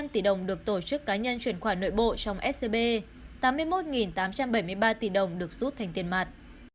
năm hai trăm bảy mươi năm tỷ đồng được tổ chức cá nhân chuyển khoản nội bộ trong scb tám mươi một tám trăm bảy mươi ba tỷ đồng được rút thành tiền mặt